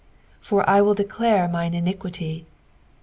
"For I will declare mine iniquity."